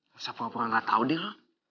masa pura pura enggak tau deh lo